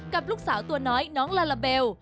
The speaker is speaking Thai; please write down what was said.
กับลูกสาวตัวน้อยน้องลาลาเบล